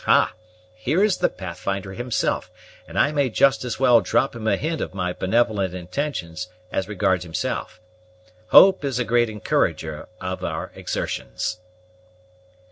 Ah! Here is the Pathfinder himself, and I may just as well drop him a hint of my benevolent intentions as regards himself. Hope is a great encourager of our exertions."